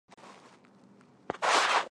直接竞争对手是德国品牌日默瓦。